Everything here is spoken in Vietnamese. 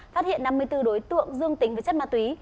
phát hiện năm mươi bốn đối tượng dương tính với chất ma túy